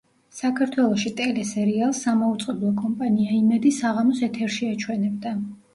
საქართველოში ტელესერიალს სამაუწყებლო კომპანია იმედი საღამოს ეთერში აჩვენებდა.